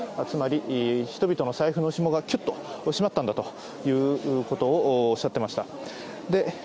つまり、人々の財布のひもがきゅっと締まったんだということをおっしゃっていました。